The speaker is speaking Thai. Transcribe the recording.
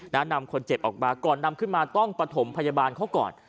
นำคนเจ็บออกมาก่อนนำขึ้นมาต้องประถมพยาบาลเขาก่อน